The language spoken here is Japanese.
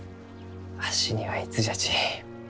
わしにはいつじゃち